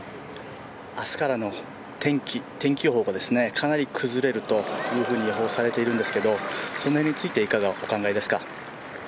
明日からの天気予報がかなり崩れるというふうに予報されてるんですけどその辺についていかが、お考えですか？